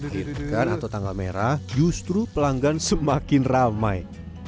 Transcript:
kirimkan atau tanggal merah justru pelanggan semakin ramai